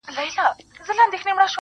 يې ه ځكه مو په شعر كي ښكلاگاني دي~